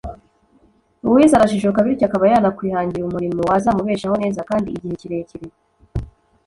uwize arajijuka bityo akaba yanakwihangira umurimo wazamubeshaho neza kandi igihe kirekire